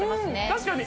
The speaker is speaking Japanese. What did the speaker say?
確かに。